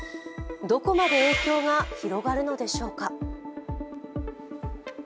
どこまで影響が広がるのでしょうか。